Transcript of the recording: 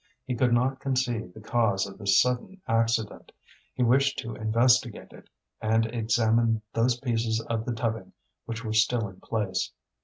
He could not conceive the cause of this sudden accident. He wished to investigate it, and examined those pieces of the tubbing which were still in place.